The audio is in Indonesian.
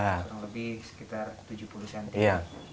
kurang lebih sekitar tujuh puluh cm